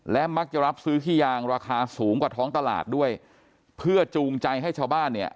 และมักจะรับซื้อขี้ยางราคาสูงกว่าท้องตลาดด้วยเพื่อจูงใจให้ชาวบ้านเนี่ย